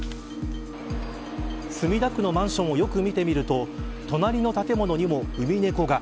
墨田区のマンションをよく見てみると隣の建物にもウミネコが。